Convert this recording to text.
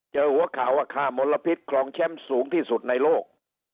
เจอหัวข่าวว่าค่ามลพิษคลองแชมป์สูงที่สุดในโลก